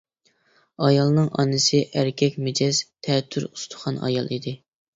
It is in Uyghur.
ئايالىنىڭ ئانىسى ئەركەك مىجەز، تەتۈر ئۇستىخان ئايال ئىدى.